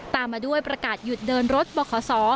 ตามมาด้วยประกาศหยุดเดินรถบข